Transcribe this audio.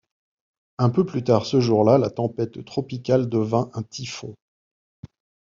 Un peu plus tard ce jour-là, la tempête tropicale devint un typhon.